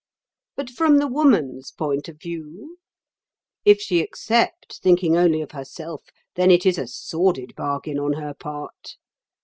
But from the woman's point of view? If she accept thinking only of herself, then it is a sordid bargain on her part.